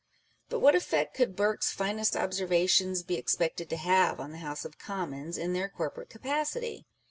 But what effect could Burke's finest observations be expected to have on the House of Commons in their corporate capacity?